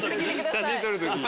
写真撮る時。